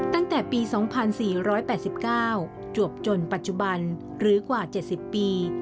ตั้งแต่ปี๒๔๘๙จวบจนปัจจุบันหรือกว่า๗๐ปี